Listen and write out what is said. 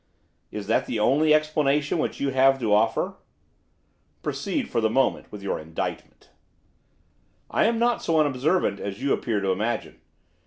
'Is that the only explanation which you have to offer?' 'Proceed, for the present, with your indictment.' 'I am not so unobservant as you appear to imagine.